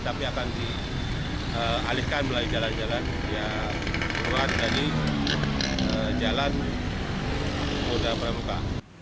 tapi akan dialihkan mulai jalan jalan yang berat dari jalan pemuda pramuka